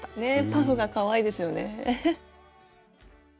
パフがかわいいですよね。